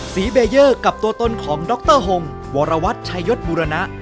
สีเบเยอร์กับตัวตนของดรฮงวรวัตรชายศบุรณะ